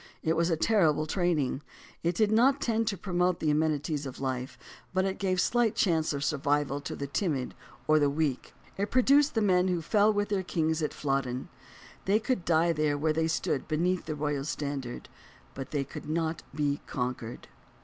It was a terrible training. It did not tend to promote the amenities of life, but it gave shght chance of survival to the timid or the weak. It produced the men who fell with their king at Flodden. They could die there where they stood beneath the royal standard, but they could not be conquered.